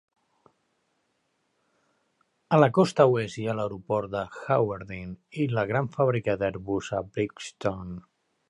A la costa oest hi ha l'aeroport de Hawarden i la gran fàbrica d'Airbus a Broughton.